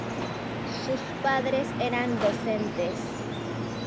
Sus padres eran docentes.